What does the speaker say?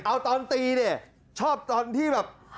เอาตอนตีเนี่ยชอบตอนที่แบบ